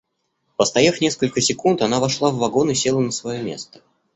Постояв несколько секунд, она вошла в вагон и села на свое место.